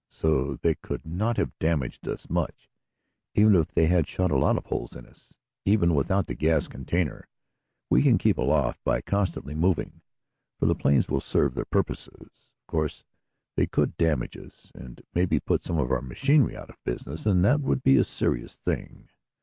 So they could not have damaged us much, even if they had shot a lot of holes in us. Even without the gas container we can keep afloat by constantly moving, for the planes will serve their purpose. Of course they could damage us, and maybe put some of our machinery out of business, and that would be a serious thing.